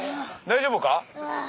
大丈夫か？